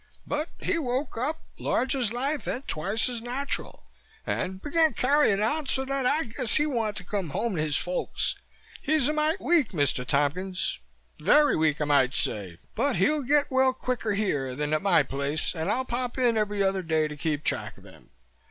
But he woke up, large as life and twice as natural, and began carrying on so that I guess he wanted to come home to his folks. He's a mite weak, Mr. Tompkins, very weak I might say, but he'll get well quicker here than at my place and I'll pop in every other day to keep track of him.